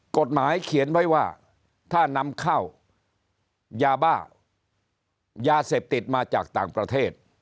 กฎหมายเขียนไว้ว่าถ้านำเข้ายาบ้ายาเสพติดมาจากต่างประเทศ